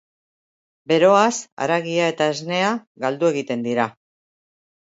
Beroaz haragia eta esnea galdu egiten dira.